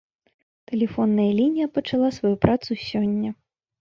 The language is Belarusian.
Тэлефонная лінія пачала сваю працу сёння.